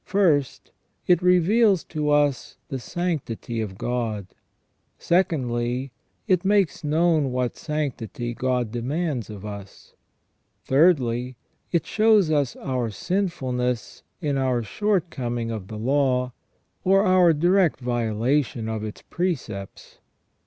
First, it reveals to us the sanctity of God. Secondly, it makes known what sanctity God demands of us. Thirdly, it shows us our sinfulness in our shortcoming of the law, or our direct violation of its precepts.